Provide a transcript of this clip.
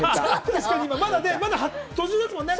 まだ途中ですもんね。